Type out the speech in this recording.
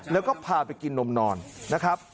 แล้วก็พาไปกินนมนอนนะครับ